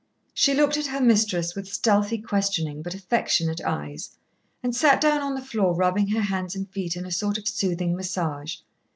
She looked at her mistress with stealthily questioning but affectionate eyes, and sat down on the floor rubbing her hands and feet in a sort of soothing massage.